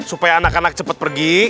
supaya anak anak cepat pergi